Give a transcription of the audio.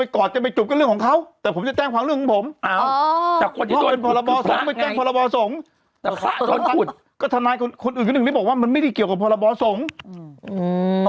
ก็ธนายคนอื่นเลยบอกว่ามันไม่ได้เกี่ยวกับพอละบอถสงธุ์